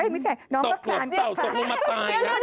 ไม่ใช่น้องก็คลานอยู่ค่ะ